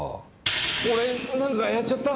俺何かやっちゃった？